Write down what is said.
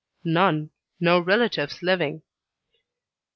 "None. No relatives living."